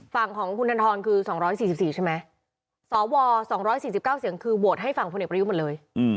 ฝั่งของคุณธนทรคือ๒๔๔ใช่ไหมสว๒๔๙เสียงคือโหวตให้ฝั่งพลเอกประยุทธ์หมดเลย